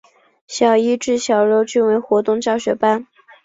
小一至小六均为活动教学班。